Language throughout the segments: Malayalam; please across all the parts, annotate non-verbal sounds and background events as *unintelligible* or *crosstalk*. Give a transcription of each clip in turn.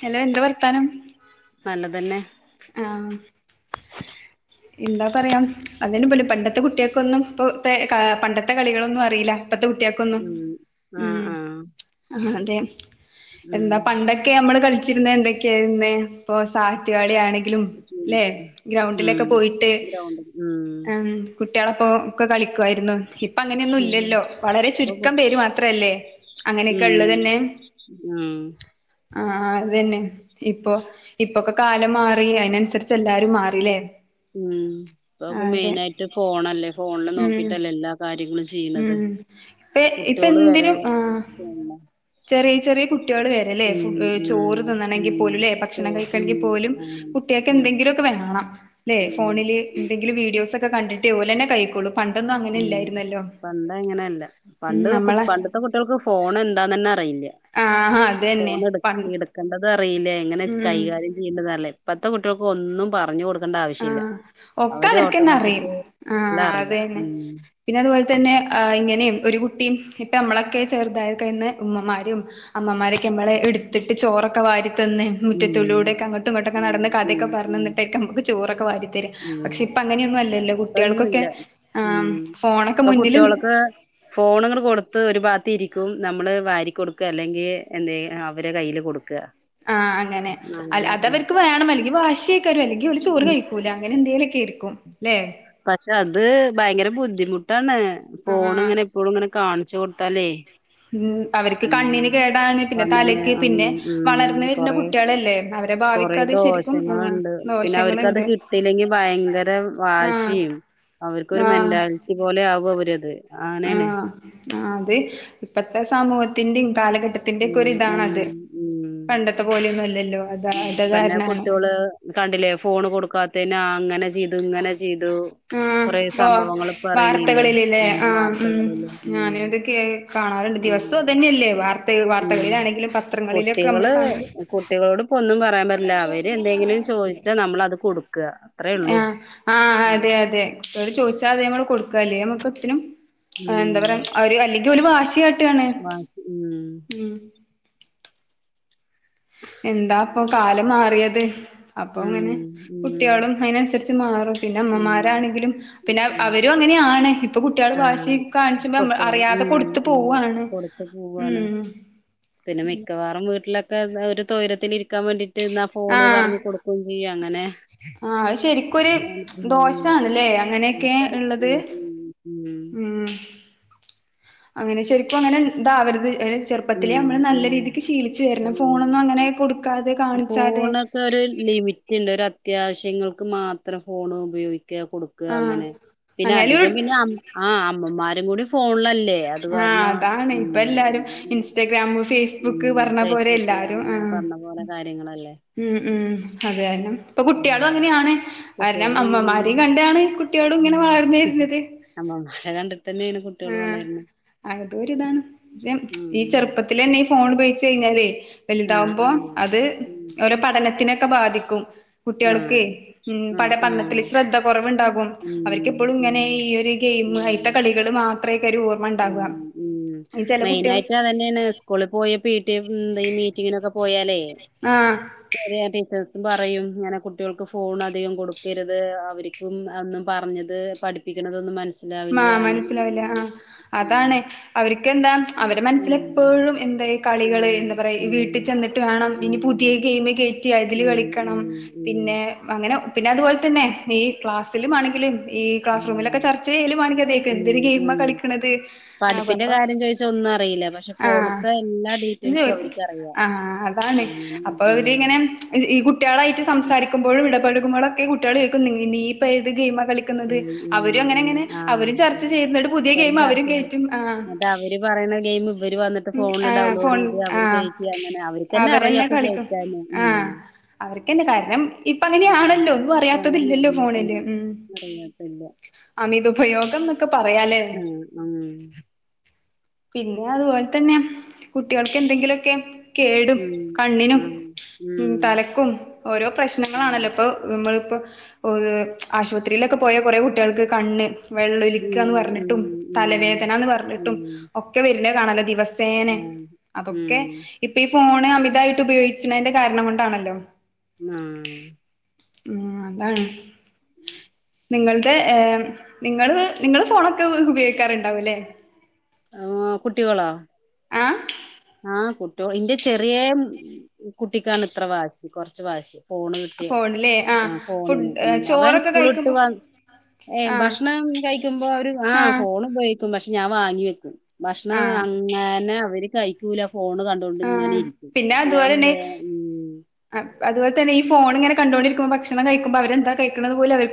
ഹലോ എന്താ വർത്താനം? നല്ലതന്നെ ആഹ് എന്താ പറയാം അതു പോലും പണ്ടത്തെ കുട്ടികൾക്കൊന്നും ഇപ്പ പണ്ടത്തെ കളികളൊന്നും അറിയില്ല ഇപ്പ കുട്ടിയക്കൊുന്നു ആഹ ആഹ ആഹ അതെ എന്താ പണ്ടൊക്കെ നമ്മള് കളിച്ചിരുന്ന എന്തൊക്കെയായിന്നെ ഇപ്പൊ സാറ്റുകളി ആാണ് ഉം ല്ല ഗ്രൗണ്ടിലൊക്കെ ഉം പോയിട്ട് ഗ്രൗണ്ട് ഉം കുട്ടികള അപ്പൊ ഒക്കെ കളിക്കുയിരുന്നു ഇപ്പ അങ്ങനെയൊന്നും ഉം ഇല്ലല്ലോ വളരെ ഇപ്പൊ ചുരുക്കം പേര് മാത്രല്ലേ അങ്ങനെയൊക്കെ ഉള്ളത് ഉം തന്നെ ഉം! ആഹ അത്തന്നെ ഇപ്പൊ ഇപ്പൊക്കെ കാലം മാറി അതിനനുസരിച്ച് എല്ലാരും മാറല്ലേ ഉം ഇപ്പൊ മെയിന ആയിട്ട് ഫോണല്ലേ ഫോണില് ഉം നോക്കിട്ടല്ലേ എല്ലാ കാര്യങ്ങളും ചെയ്യണത് ഉം ഇപ്പ ഇപ്പ കുട്ടിയോള് വരെ എന്തിനും ആ ഫോണിലാ ചെറിയ ചെറിയ കുട്ട- കുട്ടിക വരല്ലേ ഉം ഉം ചോറ്തിന്നണെങ്കിൽ ഉം പോലുംല്ലേ ഭക്ഷണം ചോറ് ഉം കഴെങ്ക പോലും ആഹ് കുട്ടികൾെ ഉം എന്തെ ല്ല ഉം ഫോണ എന്തെങ്കിലും വീഡിയോസ് െ കണ്ടിട്ട് പോലെന്നെ കഴിക്കോളൂ പണ്ടൊന്നും അങ്ങനെല്ലായിരുന്നല്ലോ പണ്ട എങ്ങനെയല്ല പണ്ട് പണ്ടത്തെ കുട്ടികൾക്ക് ഫോൺ എന്താന്ന് തന്നെ അറിയില്ല ആഹ് അതന്നെ ഫോണ് എടു പണ്ട് എടുക്കണ്ടത ല്ല എങ്ങനെ ഉം കൈകാര്യം ചെയ്യേണ്ടല്ലേ ഇപ്പത്തെ കുട്ടികൾക്ക് ഒന്നും പറഞ്ഞു കൊടു- ആ ഒക്കെ അവർക്ക്െന്നെ അറിയും ആ എല്ലാം അറിയാം അതെ ഉം പിന്നെ അതുപോലെ തന്നെ ആ ഇങ്ങനെയും ഒരു കുട്ടിയും ഇപ്പ നമ്മളൊക്കെ ചെറുതായി കഴിയുന്ന ഉമ്മമാരും- അമ്മമാരൊക്കെ നമ്മളെ എടുത്തിട്ട് ചോറൊക്കെ വാരി- അന്ന് ഉം മുറ്റത്തുള്ളിലൂടെൊക്കെ അങ്ങട്ടും ഇങ്ങോട്ടൊക്കെ ഉം നടന്ന് ഉം കഥയൊക്കെ ഉം പറന്നിട്ടൊക്കെ- ചൂറൊക്കെ വാരിത്തരും ഉം പക്ഷെ ഇപ്പ അങ്ങനെയൊന്നും അല്ലല്ലോ കുട്ടികൾക്കൊക്കെ ഇപ്പൊന്നുമില്ല ആ ഫോണൊക്കെ മുന്നിലും- ോ *inaudible* കൊടുത്ത് ഒരു ഭാഗത്ത് ഇരിക്കും നമ്മള് വാരി കൊടുക്കുക അല്ലെങ്കിൽ എന്ത അവരെ കയ്യില് കൊടുക്കുക ആഹ് അങ്ങനെ അങ്ങനെ അത് അവർക്ക് വേണം അല്ലെങ്കിൽ വാിയേക്കാും അല്ലെങ്കിൽ അവ ചോറ് ഉം കഴിക്കൂല അങ്ങനെ എന്തേലൊക്കെ ആയിരിക്കും ല്ലേ പക്ഷെ അത് ഭയങ്കര ബുദ്ധിമുട്ടാണ് ഫോണ് ആഹ് ഇങ്ങനെ എപ്പോഴും ഇങ്ങനെ കാണ ണിച്ചു കൊടുത്താലേ ഉ അവർക്ക് ഉം കണ്ണിന് കേടാണ് പിന്നെ കണ്ണിന് തലക്ക് ഉം പിന്നെ ഉം വളർന്ന് വരുന്ന കൊറേ കുട്ടികളല്ലേ അവരെ- ഭാവിക്ക് കൊറേ അത് ശരിക്കും ആഹ് ദോഷങ്ങളുണ്ട് പിന്നെ അവർക്ക്ത് ദോഷങ്ങളുണ്ട് കിട്ടല്ലെങ്കി ഭയങ്കര ആഹ് വാശിയും അവർക്കൊരു ആഹ് മെന്റാലിറ്റി പോലെ ആവും അവരത് അനണെ ആ അത ഇപ്പത്തെ സമൂഹത്തിന്റെയും കാലഘട്ടത്തിന്റെ ഒക്കെ ഒ ഇതാണത് ഉ പിന്നെ കാരണാണ് കുട്ടികള് കണ്ടില്ലേ ഫോണ് കൊടുക്കാത്ത അങ്ങനെ- ചെയ്തു ഇങ്ങനെ ചെയ്തു ആ കൊറേ ഓ സംഭവങ്ങൾ ഇപ്പ അറിയണില്ലേ വാർത്തകളിൽല്ലേ ഉം ആ ഉ വാർത്തകളില് ഞാന ഉം ഇതൊക്കെ കാണാറുണ്ട് ദിവസവും ഉം അത് തന്നെയല്ലേ വാർത്ത ഉം വാർത്തകളിലാണെങ്കിലും പത്രങ്ങളിലൊക്കെ നമ്മള് കുട്ടികള് കാണല് കുട്ടികളോട് ഇപ്പൊ ഒന്നും പറയാൻ പറ്റില്ല അവര് എന്തെങ്കിലും ചോദിച്ചാ നമ്മളത് കൊടുക്കുക അത്രേ ആ ഉള്ളൂ ആ ഉം അതെ അതെ ചോദിച്ചാ അത നമ്മള് കൊടുക്കല്ലേ നമ്മുക്ക് ഇത്തിും എന്താ പറയാ ഒരു അല്ലെങ്കിൽ ഒരു വാശിയട്ട മ ഉം എന്താ അപ്പൊ കല് മാറി അപ്പൊ ഉം അങ്ങനെ കുട്ടികളും അപ്പൊ ങ്ങനെ ഉം കുട്ടിളും അതിനനുസരിച്ച് മാറും പിന്നെ ഉം അമ്മമാരാണെങ്കിലും പിന്നെ ഉം അവരും അങ്ങനെയാണ് ഇപ്പൊ കുട്ടികള് വാശി ആഹ് കാണിച്ച്പ കുട്ട്യോള് അറിയാതെ ഉം കൊടുത്ത ഉം പോവുവാണ് കൊടുത്ത് ഉ പോവാണ് പിന്നെ മിക്കവാറും വീട്ടിലൊക്കെ ഒരു തൊരത്തിൽ ഇരിക്കാൻ വേണ്ടിട്ട് ഇട്ടന്നാ ഫോണ് പറഞ്ഞു കൊടുക്കയും ചെയ്യും അങ്ങനെ ആശരിക്കൊരു അങ്ങനെയാണ്. ഉം ദോഷണല്ലേ അങ്ങനെയൊക്കെ പക്ഷെ, ഉള്ളത് ഉം ഉം അങ്ങനെ ശരിക്കും അങ്ങനെ ന്താ അവരുത് ഉം ചെറുപ്പത്തിലേ ഉം നമ്മള് നല്ല രീതിക്ക് ചെറുപ്പത്തിലെ നമ്മൾ നല്ല ഉം രീതിക്ക് ശീലിച്ചച്ച് വരണം ഫോണൊന്നും ഉം. അങ്ങനെ കൊടുക്കാതെ കാണിച്ചാതെ ഫോണൊക്കെ ഒരു ലിമിറ്റ് ഉണ്ട് ഒരു അത്യാവശ്യങ്ങൾക്ക് മാത്രം ഫോൺ ഉപയോഗിക്ക കൊടുക്ക ആഹ് അങ്ങനെ പിന്നെ അങ്ങേലു അധികം പിന്നെ ആ അമ്മമാരും കൂടി ഫോണിൽ അല്ലെ അല്ലെ അത് കാരണം ഉ ഇൻസ്റ്റാഗ്രാാം് ഫേസ്ബുക്ക് പറഞ്ഞ പോലെ ഫേസ്ബുക്ക് എല്ലാരും അങ്ങനെ ആ പറഞ്ഞ പോലെ കാര്യങ്ങളല്ലേ ഉം ഉം അതൊരണം ഇപ്പൊ ഉം കുട്ടികളും അങ്ങനെയാണ് കാരണം കുട്ടികളും അമ്മമാര അങ്ങനെന്നെ കണ്ടാണ് കുട്ടിളും ഇങ്ങനെ വളർന്നു വരുന്നത് നമ്മളതും കണ്ടിട്ട് തന്നെയാണ് ആഹ അതൊരി ഇതാണ് ഉം ഈ ചെറുപ്പത്തിലെ ഫോൺ ഉപയോഗിച്ച കഴിഞ്ഞാലേ ആഹ് വലുതാാവുമ്പോ ആഹ് അത് ഉം ഓര പഠനത്തിനൊക്കെ ബാധിക്കും കുട്ടികൾക്ക് ആഹ് ഉ പടപഠനത്തില്ൽ ആഹ് കുട്ടിൽക് പഠനത്തിൽ ആഹ് ശ്രദ്ധ കുറവുണ്ടാകും ഉം അവർക്ക്എപ്പോഴും ഉം ഇങ്ങനെ ഈ ഒരു ഗെയിം അയിത്ത കളി ഉ ഉ ഈ ചെല മെയിന കുട്ടികള് ആയിട്ട് അത്ന്നെയാണ് സ്കൂളിൽ പോയപ്പ പിടിഎ മീറ്റിങ്ങിനൊക്കെ പോയാലേ ആഹ് ടീച്ചേഴസ് പറയും ഇങ്ങനെ കുട്ടികൾക്ക് പറയും ഇങ്ങനെ കുട്ടികൾക്ക് ഫോൺ അധികം കൊടുക്കരുത് അവർക്കും അന്നും പറഞ്ഞത് പഠിപ്പിച്ച പഠിപ്പിക്ക *unintelligible* ആ മനസ്സിലാവില്ല ആ ഉം അതാണ് അവർക്ക്െന്താ അവടെ മനസ്സിലെപ്പോഴും എന്താ അവരെ മനസ്സിലെപ്പഴുംഎന്താ കളികള് എന്താ പറയാ വീട്ടിൽ ചെന്നിട്ട് വേണം ഇനി പുതിയഗെയിം കേറ്റാൻ വെള്ളത്തിൽ കളിക്കണം പിന്നെ അങ്ങനെ പിന്നെ അതുപോലെന്നെ ഈ ക്ലാസില ആണെില ഈ ക്ലാസ്റൂമിലൊക്കെ ചർ ചർച്ച ചെയ്യലും മാണിക്കതയ് കാരം എന്തരു ഗെയി കളിക്കണുന്നത് പഠിപ്പിന്റെ കാര്യം ചോദിച്ചാ ഒന്നും അറിയില്ല. പക്ഷെ ആ ഫോണ്ത്തെ എല്ലാ ഡീറ്റെയിൽസും അവർക്കറിയാം. ആഅതാണ് അങ്ങനെയാണ്. അപ്പൊ ഇരി ഇങ്ങനെ ഈ കുട്ടികളായിട്ട് സംസാരിക്കുമ്പോഴും സംസാരിക്കുമ്പോഴും ഇടപഴകുമ്പോഴൊക്കെ കുട്ടികൾ കേക്കുന്നു നീ ഇപ്പോഏത് ഗെയിം കളിക്കുന്നത് അവരും അങ്ങനെ അങ്ങനെ ആ. അവരും ചർച്ച ചെയ്യുന്ന് പുതിയ പരസ്പരം ഗെയിം ചർച്ച അവരും ചെയ്യും. കയറ്റും ആ എന്നിട്ട് അവര് പറയണ ഗെയിം ഇവര് വന്നിട്ട് ഫോണില് ഡൗൺലോഡ് ആഫോൺ ചെയ്ത് ആ അവര് കയറ്റി അങ്ങനെ. അവര്ക്കന്നെ അറിയാം അവരെന്നെ ഒക്കെ കളിക്കും കേറ്റാന്. ആ അവർക്കന്ന കാരണം ഇപ്പ ഉ അങ്ങനെയാണല്ലോ ഒന്നും ഇപ്പൊ അറിയാത്തതില്ലല്ലോ അങ്ങനെയാണ് ഫോണില് ഉം അറിയത്തില്ല അമിത ഉപയോഗം പറയാലേ ആ ഉ പിന്നെ അതുപോലെ തന്നെ കുട്ടികൾക്ക് എന്തെങ്കിലുമൊക്കെ കേടും കണ്ണിനും ആ. തലക്കും ഓരോ പ്രശ്നങ്ങളാണല്ലോ ഇപ്പൊ നമ്മൾ ആശുപത്രിയിലൊക്കെ പോയ കുറെേ കുട്ടികൾക്ക് കണ്ണ് വെള്ളൊലിക്കന്ന് പറഞ്ഞിട്ടും തലവേദന എന്ന് പറഞ്ഞിട്ടും ണല്ല ദിവസേന അതൊക്കെ ഇപ്പഈ ഫോ അമിതായിട്ട് ഉപയോഗിച്ചതിന്റെ കാരണം കൊണ്ടാണല്ലോ ഉം ഉം അതാണ് നിങ്ങളുടെ നിങ്ങ നിങ്ങൾ ഫോണൊക്കെ ഉപയോഗിക്കാറുണ്ടാവുംല്ലേ കുട്ടികളാ ഏ ആ് കുട്ടിയ ഇന്റെ ചെറിയ കുട്ടിക്കാണ് ഇത്ര വാവശ്യ കുറച്ച് വാശ്യ ഫോണ് കിട്ടിയ ഫോണിലേ ആഹ് ഫുഡ് ഫോണിന് ഉ അവൻ ചോറൊക്കെ സ്കൂള ഇട്ട് കഴിക്കുമ്പോ വ ഏ ആഹ് ഭക്ഷണം കഴിക്കുമ്പോ അവ ഒരു ആ ആഹ് ഫോൺ ഉപയോഗിക്കും പക്ഷെ ഞാൻ വാങ്ങി വെക്കും ഭക്ഷണം ആഹ് അങ്ങനെ അവര് കഴിക്കൂല ഫോണ് കണ്ടുകൊണ്ട് ഇങ്ങനെ ആഹ് ഇരിക്കും പിന്നെ അപ്പൊ ഞാൻ അതുപോലെന്നെ ഉ കണ്ടുകണ്ടിരിക്കുമോ ഭക്ഷണം കഴിക്കുമ്പൾ അവരെന്താ കഴണുന്നത് പോലെ അവർ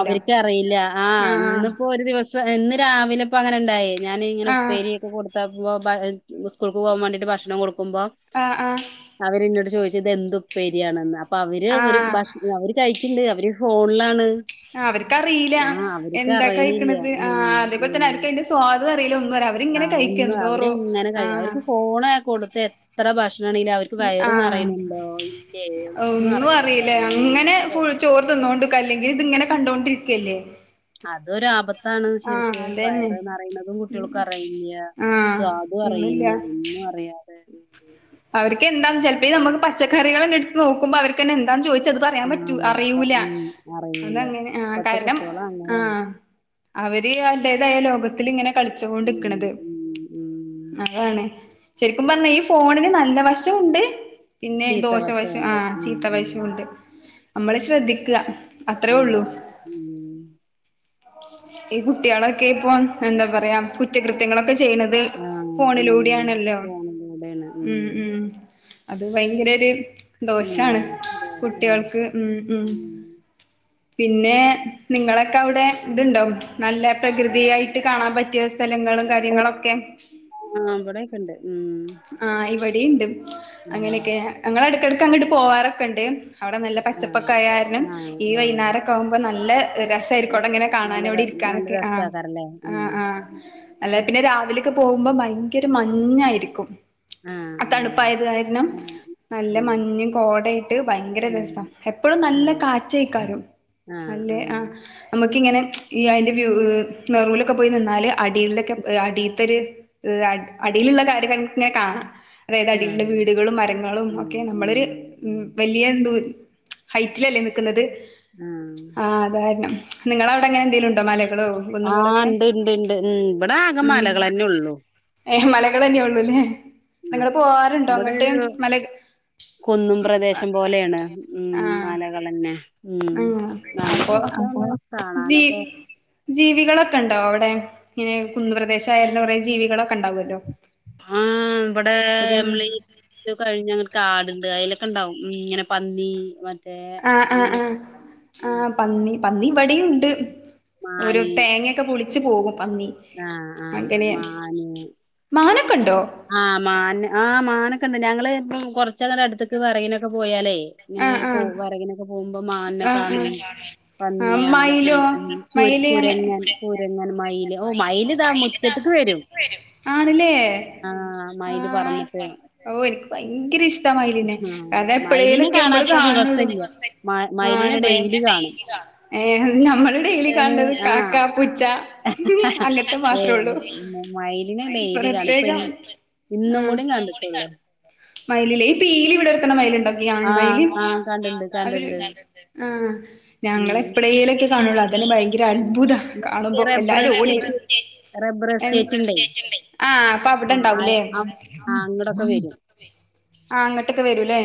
അവർക്ക്റിയില്ല ആഹ് ഇന്നിപ്പോ ഒരു ദിവസം ഇന്ന് രാവിലെ ഇപ്പോ അങ്ങനെ ഇണ്ടായിേ ഞാന ഇങ്ങനെ ആഹ് ഉപേരിയൊക്കെ കൊടുത്തോ സ്കൂൾക്ക് പോകാൻ വേണ്ടിയിട്ട് ഭക്ഷണം കൊടുക്കും ുമ്പോ ആഹ് ആഹ് അവര് ഇവിടെ ജിത് എന്തുപ്പേരിയാണെന്ന് അപ്പൊ അവര് ഒര് ഭക്ഷ അവര് കഴിക്കിണ്ട് അവര് ഫോണിലാണ് ആ അവർക്കറിയില്ല ആ അവർക്ക് എന്താ അറിയണില്ല. കഴിക്കണത് ആ ഉം അതേപോലെ തന്നെ ഉം. അവർക്ക് അതിന്റെ സ്വാദം അറിയില്ല ഒ ആ അവരിങ്ങനെ കഴിക്ക ഒന്ന് എന്തോറോ അവരെങ്ങനെ ആ കഴി അവർക്ക് ഫോണ് കൊടുത്ത് എത്ര ഭക്ഷണാണെങ്കിലും അവർക്ക് ആ വയറ് നിറയണുണ്ടോ ഇല്ലേ ഒന്നും അറിയില്ല. അപ്പ അറിയില്ലേ അങ്ങനെ ഫുള്ള് ചോറ് തിന്നോണ്ടിക്കല് ല്ലെങ്കിൽ ഇത് ഇങ്ങനെ കണ്ടോണ്ടിരിക്കല്ലേ അതൊരപ താണ് ആഹ് ശരിക്ക് അതന്നെ വയറ് നിറയുന്നതും കുട്ടിയോൾക്ക് അറിയില്ല ആഹ് സ്വാദും ഒന്നുല്ല അറിയില്ല ഒന്നും അറിയ അവർക്ക് എന്താ ചിലപ്പോ നമുക്ക് പച്ചക്കറികളെ എടുത്ത് നോക്കുമ്പോ അവർക്കന്നെ എന്താന്ന് ചോയിച് ത് പറയാൻ പറ്റൂ ആഹ് അറിയൂല ഉം അറിയൂല അതങ്ങനെ ആ ഇപ്പത്തെ കാരണം കുട്ടികള് ആ അങ്ങനെയാണ് അവര് *unintelligible* അതേതായ ലോകത്തിൽ ഇങ്ങനെ ഉം കളിച്ചോണ്ടിക്കണത് ഉം ഉം അതാണ് ശരിക്കും പറഞ്ഞാ ഈ ഫോണിന് നല്ല വശോണ്ട് പിന്നെ ചീത്ത ദോശവശ ആ വശമുണ്ട് ഉം ചീത്ത ഉം വശവുണ്ട് നമ്മള് ശ്രദ്ധിക്ക ഉം ഉം ഈ കുട്ടികളൊക്കെ ഇപ്പൊ എന്താ പറയാ കുറ്റകൃത്യങ്ങളൊക്കെ ചെയ്യണത് ആഹ് ഉം ഫോണിലൂടെ ആണല്ലോ ഫോണിലൂടെയാണ് ഉം ഉം അത് ഭയങ്കര ഒരു ഉം ദോഷാണ് ദോഷാണ് കുട്ടികൾക്ക് ഉം ഉം പിന്നെ നിങ്ങളൊക്കെ അവിടെ ഇതുണ്ടോ നല്ല പ്രകൃതിയായിട്ട് കാണാൻ പറ്റിയ സ്ഥലങ്ങളും ഓ കാര്യങ്ങളൊക്കെ ആഹ് ഇവിടെയൊക്കെ ഉണ്ട് ഉം ആ ഇവിടെയുണ്ട് ഉം അങ്ങനെയൊക്കെ ഞങ്ങള് അടക്കടക്ക് അങ്ങോട്ട് പോവാറൊക്കെണ്ട് അവിടെ നല്ല ആഹ് പച്ചപ്പക്ക ആരാനും ആഹ് ഈ ആഹ് വൈകുന്നേരൊക്കെ ആവുമ്പോൾ നല്ല രസായിരിക്കും അവടെ ഇങ്ങനെ നല്ല കാണാനും അവടെ ഇരി ക്കാനും നല്ല ഒക്കെ ആ രസാക്കാരല്ലേ ആ ഉം ആ അല്ല പിന്നെ രാവിലൊക്കെ പോകുമ്പോ ഭയങ്കര മഞ്ഞായിരിക്കും ഉം ആ ആഹ് തണുപ്പായത് കായണം നല്ല മഞ്ഞും കോടയിട്ട് ഭയങ്കര ഉം രസം എപ്പഴും നല്ല ആഹ് കാറ്റ്ക്കാരും ആഹ് അല്ലെ ആ ആഹ് നമുക്കിങ്ങനെ ഈ അതിന്റെ വ്യൂ നെറൂലൊക്കെ പോയി നിന്നാല് അടിലോക്കെ അടിത്തൊര് അടി അടിയിലുള്ള കാര്യങ്ങക്ക് ഇങ്ങനെ കാണാം അതായത് അടിയിലുള്ള ആഹ് വീടുകളും മരങ്ങളും ഉം ഒക്കെ ഉം നമ്മളൊര് മ് ഉം വല്യയ എന്തോ ഹൈറ്റിലല്ലേ നിക്കുന്നത് ആഹ് ആ അതാരണം നിങ്ങളവടെ അങ്ങനെ എന്തെലും ഉണ്ടോ മല *unintelligible* ആഹ് കുന്നുങ്ങളൊക്കെ ഇണ്ട് ഇണ്ട് ഇണ്ട് ഉം ഇവിടെ ആകെ മലകളന്നെ ഉള്ളു മ് ഏ മലകള്ന്നെയുള്ളൂല്ലേ ആഹ് നിങ്ങള് പോവാറുണ്ടോ ഇവിടെ അങ്ങിട്ട് ഒരു മല കുന്നും പ്രദേശം പോലെയാണ് മ് ആഹ് മലകള്ന്നെ ഉം നല്ല രസാണ് ജീ കാണാനൊക്കെ ജീവികളൊക്കെ ഒണ്ടോ അവടെ ഇങ്ങനെ കുന്നുപ്രദേശ *unintelligible* കൊറേ ജീവികളൊക്കെ ഉണ്ടാവുല്ലോ ആ ഇവടെ നമ്മളി കഴിഞ്ഞ അങ്ങ് കാടുണ്ട് അയിലോ ണ്ടാവും ഇങ്ങനെ പന്നി വ ആ ആ ആ ആ പന്നി പന്നി പടിയുണ്ട് ഒരു തേങ്ങയൊക്കെ പുളിച്ച് പോവും ആ ആ മാന് മാനൊക്കെ ഉണ്ടോ ആ മാന് ആ മാനൊക്കെ ഒണ്ട് ഞങ്ങള് കൊറച്ചങ്ങനെ അടുത്തക്ക് വെറകിനൊക്കെ പോയാലേ ഇങ്ങെനെ ആഹ് പോ ആഹ് വെറകിനൊക്കെ പോവു അപ്പൊ മാന്നെ ആഹ് കാണും ആഹ് പന്നി ആഹ് മയിലോ അങ്ങനെയൊക്കെണ്ട് കു കുരങ്ങൻ കുരങ്ങൻ മയില് ഓഹ് മയില് ഇതാ മുറ്റത്ത്ക്ക് വരും ആണില്ലേ ആഹ് ആ മയില് പറന്നിട്ട് ഓ എനി ങ്കിരിഷ്ടമയിലിനെ ആഹ് കാരണം മയിലിനെ എപ്പഴേലൊക്കെ നമ്മള് കാണാത്ത കാണാനള്ളൂ ദിവസല്ല മ മയിലിനെ ഡെയിലി കാണും ഏ നമ്മള് ഡെയിലി ഞാന് കണത് ആഹ് കാക്ക പുച്ച അംഗത്തെ മാത്ര ഏയ് ഉള്ളു മയിലിനെ ഡെയിലി കാണും ഇപ്പൊ പ്രത്യേക ഇന്ന് ഇന്നും കൂടി കണ്ടിട്ടുള്ളു ആ ഈ പീലി വിടർത്തുന്ന മയില്ണ്ടോ ആൺ മയിൽ ആഹ് ആഹ് കണ്ടിണ്ട് കണ്ടിണ്ട് ഞ ങ്ങള് ഉം എപ്പോഴേലക്കെ കാണുള്ള ഭയങ്കര അത്ഭുതം ഈ കാണുമ്പോ റബ്ബർ എല്ലാരും എസ്റ്റേറ്റ് ഓടിവരും റബ്ബർ എസ്റ്റേറ്റ് ഉണ്ടേ അപ്പ അവിടെ ആ ആ- ഇണ്ടാവൂല്ലേ ആ- ആ, അങ്ങടൊക്കെ വരും ആഹ് അങ്ങട്ടൊക്കെ വരൂലേ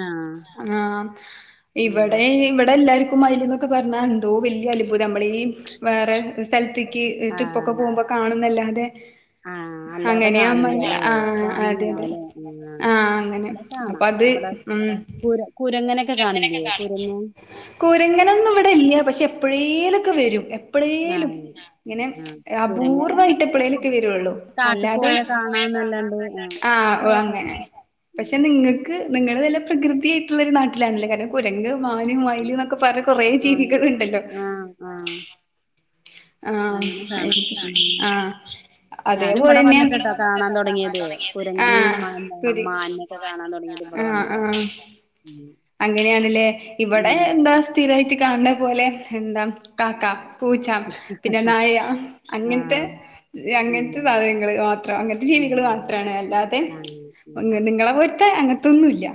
ആ ആഹ ഉം. ഇവിടെ ഇവിടെ എല്ലാർക്കും മയിൽ എന്നൊക്കെ പറഞ്ഞാ എന്തോ വലിയ അനുഭൂതി നമ്മൾ ീഈ വേറെ സ്ഥലത്തേക്ക് ട്രിപ്പൊക്കെ പോകുമ്പോ കാണുന്നല്ലാതെ ആഹ് അങ്ങനെയ ആഹ അതെ അതെ അല്ലേ ആ ആഹ് അങ്ങനെ ഇവിടെ അപ്പൊ കാണാം അത് ഇവിടെ ഉ കുര കുരങ്ങനൊക്കെ കാണില്ലേ കുരങ്ങൻ കുങ്ങരങ്ങന ഒന്നും ഇവിടെല്ലക്ഷ എപ്പഴേലുംക്കെ വരും ആ എപ്പോഴേലും ഇങ്ങനെ ആ കുരങ്ങൻ അപൂർവമായിട്ട എപ്പഴേലൊക്കെ വരുള്ളൂ കാട്ടിൽ അല്ലാതെ അ ആഹ് പോഴയത അങ്ങനെ പക്ഷെ നിങ്ങൾക്ക് നിങ്ങള്ൾ നല്ല പ്രകൃതിയായിട്ടുള്ളരു നാട്ടിലാണല്ലേ കാരണം കുരങ് മാനും മയില് ന്നൊക്കെ പറ കൊറ ആ ജീവികളുണ്ടല്ലോ ആ ആ ആഹ് അങ്ങനെ കാണാം ഉം. അ ആഹ് ഞാനും ഇവിടെ അതേപോലന്ന വന്നിട്ടാ കാണാൻ തുടങ്ങിയത് ആ കുരങ്ങനെയും മാ- മാനിനെയൊക്കെ കാണാൻ തുടങ്ങിയത് ഇവിടെ ആ വന്നിട്ടാ ആഹ് ഉം അങ്ങനെയാണല്ലേ ഇവിടെ ഉം എന്താ സ്ഥിരമായിട്ട് കാണണ പോലെ എന്താ കാക്ക പൂച്ചാം പിന്നെ നായ അങ്ങനത്തെ ആഹ് ഉം അങ്ങനത്തെ സാധനങ്ങള്ൾ മാത്രം അങ്ങനത്തെസാധനങ്ങൾ മാത്രം ജീവികൾ ഉം മാത്രമാണ് അല്ലാതെ അങ്ങനെ നിങ്ങളെ പോലത്തെ അങ്ങനത്തെ അതൊന്നുമല്ല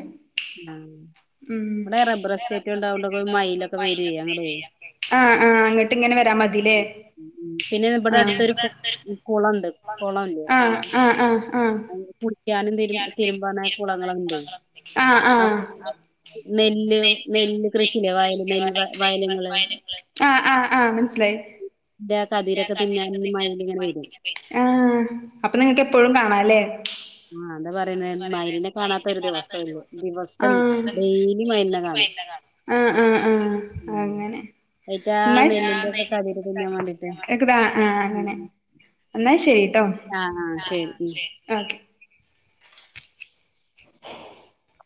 ഉം ഉ മയിലൊക്കെ വരുവേ അങ്ങടെ ആഹ് ആ അടങ്ങട്ട് വരാ മതില്ലേ ഉം, ഉം. പിന്നെ ഇവിടെ ആ അടുത്തൊരു കു കുളണ്ട് കുളംല്ലേ കുളം ഇല്ലേ, ആഹ് കുളം ആഹ് ആഹ് ആഹ് കുളിക്കാനും തിരു തിരുമ്പാന കുളങ്ങളുണ്ടേ ആഹ് ആഹ് നെല്ല് നെറ്റ് നെല്ല് കൃഷിയില്ലേ നെൃ ശ വയല് വ നെല്ല് ന വയലുകള് വയലങ്ങ *unintelligible* ആ ആ് ആഹ് മനസ്സിലായിെന്നെ ന്റെ കതിരൊക്കെ തിന്നാൻ മയില് ഇങ്ങനെ വരും ആഹ് അപ്പൊ നിങ്ങക്ക് എപ്പോഴും കാണാംല്ലേ ആഹ് അതാ പറയുന്ന മയിലിനെ കാണാത്ത ഒരു ദിവസംല്ലേ ദിവസം ഡെയിലി മയിലിനെ കാണും ആഹ ആഹ് ആഹ ഉം അങ്ങനെ അയിറ്റാ ന്നാ ഷ് നെല്ലിന്റെ ഒക്കെ കതിര് തിന്നാൻ വേണ്ടിട്ട് *unintelligible* ആഹ് അങ്ങനെ എന്നാ ശരിട്ടോ ആഹാ ശരി മ് ഓക്കെ *unintelligible*